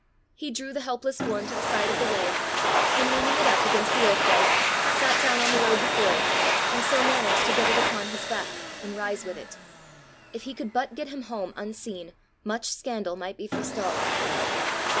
He drew the helpless form to the side of the way, and leaning it up against the earth dyke, sat down on the road before it, and so managed to get it upon his back, and rise with it. If he could but get him home unseen, much scandal might be forestalled!